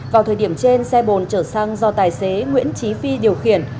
vào thời điểm trên xe bồn chở xăng do tài xế nguyễn trí phi điều khiển